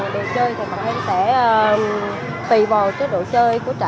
đồ chơi thì bọn em sẽ tùy vào cái độ chơi của trẻ